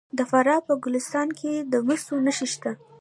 د فراه په ګلستان کې د مسو نښې شته.